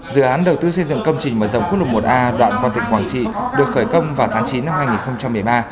dự án đầu tư xây dựng công trình mở rộng quốc lộ một a đoạn qua tỉnh quảng trị được khởi công vào tháng chín năm hai nghìn một mươi ba